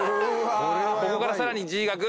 ここからさらにＧがぐ。